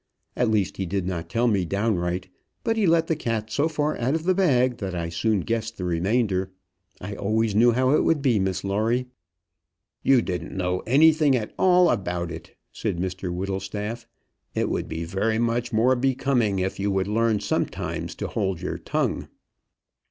At least he did not tell me downright, but he let the cat so far out of the bag that I soon guessed the remainder. I always knew how it would be, Miss Lawrie." "You didn't know anything at all about it," said Mr Whittlestaff. "It would be very much more becoming if you would learn sometimes to hold your tongue."